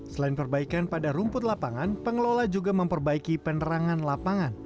selain perbaikan pada rumput lapangan pengelola juga memperbaiki penerangan lapangan